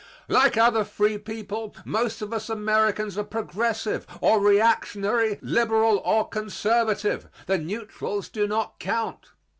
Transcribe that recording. Like other free people, most of us Americans are progressive or reactionary, liberal or conservative. The neutrals do not count.